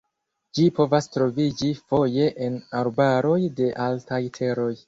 Ĝi povas troviĝi foje en arbaroj de altaj teroj.